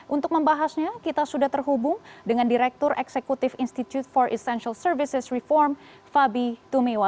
untuk membahasnya kita sudah terhubung dengan direktur eksekutif institute for essential services reform fabi tumewa